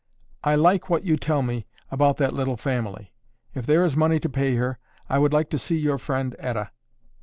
"I like what you tell me about that little family. If there is money to pay her, I would like to see your friend Etta."